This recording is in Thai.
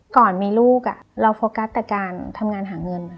ก่อนมีลูกเราโฟกัสแต่การทำงานหาเงิน